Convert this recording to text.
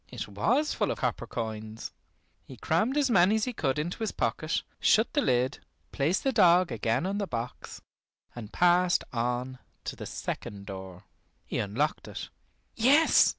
It was full of copper coins. He crammed as many as he could into his pocket, shut the lid, placed the dog again on the box, and passed on to the second door. He unlocked it. Yes!